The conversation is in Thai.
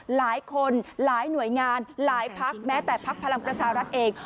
หลายคนหลายหน่วยงานหลายพักแม้แต่พักพลังประชารัฐเอง